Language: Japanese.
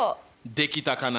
できたかな？